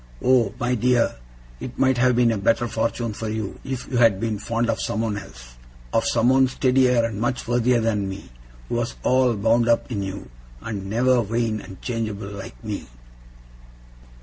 Oh, my dear, it might have been a better fortune for you, if you had been fond of someone else of someone steadier and much worthier than me, who was all bound up in you, and never vain and changeable like me!